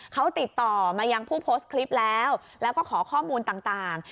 เขาติดต่อมายังผู้โพสต์คลิปแล้วแล้วก็ขอข้อมูลต่าง